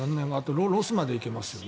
ロスまで行けますよね。